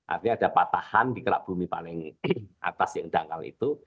artinya ada patahan di kerak bumi paling atas yang dangkal itu